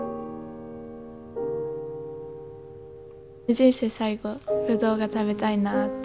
人生最後ぶどうが食べたいなあって。